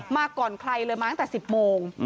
มาก่อนใครเลยมาตั้งแต่๑๐โมง